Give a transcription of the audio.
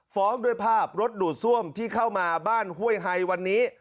ฟ้องด้วยภาพรถดูดซ่วมที่เข้ามาบ้านห้วยไฮวันนี้